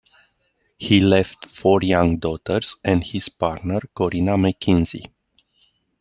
He left four young daughters and his partner Corina McKenzie.